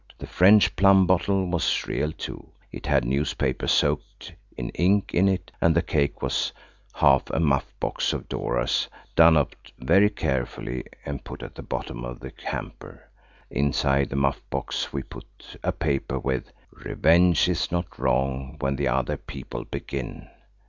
The French plum bottle was real too. It had newspaper soaked in ink in it, and the cake was half a muff box of Dora's done up very carefully and put at the bottom of the hamper. Inside the muff box we put a paper with– "Revenge is not wrong when the other people begin.